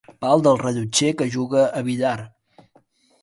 Pal de rellotger que juga a billar.